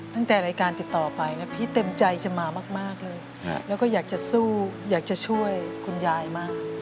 ตั้งแต่รายการติดต่อไปนะพี่เต็มใจจะมามากเลยแล้วก็อยากจะสู้อยากจะช่วยคุณยายมาก